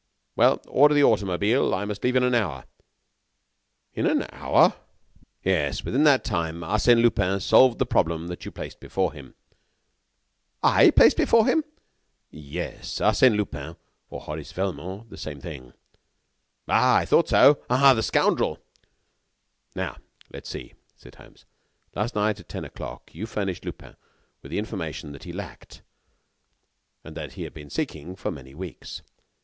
"Well, order the automobile. I must leave in an hour." "In an hour?" "Yes; within that time, Arsène Lupin solved the problem that you placed before him." "I.... placed before him " "Yes, Arsène Lupin or Horace Velmont same thing." "I thought so. Ah! the scoundrel!" "Now, let us see," said Holmes, "last night at ten o'clock, you furnished Lupin with the information that he lacked, and that he had been seeking for many weeks.